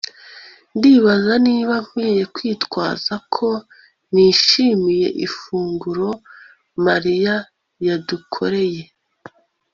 Ndibaza niba nkwiye kwitwaza ko nishimiye ifunguro Mariya yadukoreye